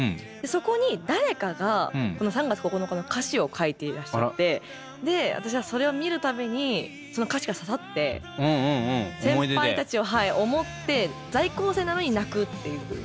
そこに誰かがこの「３月９日」の歌詞を書いていらっしゃってで私はそれを見るたびにその歌詞が刺さって先輩たちを思って在校生なのに泣くっていう。